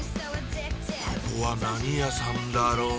ここは何屋さんだろう？